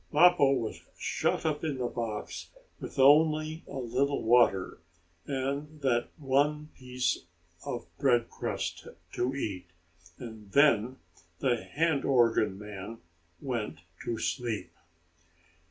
Mappo was shut up in the box, with only a little water, and that one piece of bread crust to eat. And then the hand organ man went to sleep.